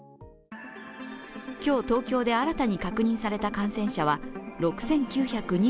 今日、東京で新たに確認された感染者は６９２２人。